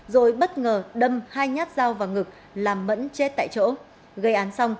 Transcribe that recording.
rồi bất ngờ đâm hai nhát dao vào ngực làm mẫn chết tại chỗ